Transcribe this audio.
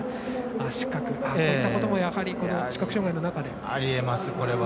こういったことも視覚障がいの中では。